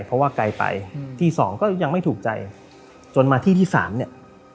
เพราะว่าไกลไปที่สองก็ยังไม่ถูกใจจนมาที่ที่สามเนี่ย